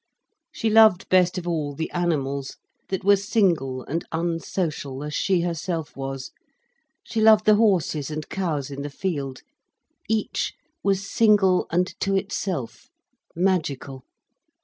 She loved best of all the animals, that were single and unsocial as she herself was. She loved the horses and cows in the field. Each was single and to itself, magical.